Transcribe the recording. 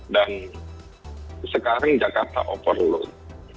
dan sekarang jakarta overload